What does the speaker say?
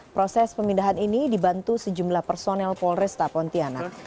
proses pemindahan ini dibantu sejumlah personel polresta pontianak